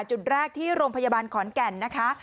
จุดแรกที่โรงพยาบาลขอนแก่นนะคะ